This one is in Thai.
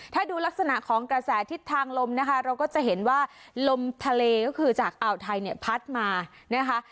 ถ้าดูลักษณะของกระแสทิศทางลมนะคะเราก็จะเห็นว่าลมทะเลก็คือจากอ่าวไทยเนี่ยพัดมานะคะ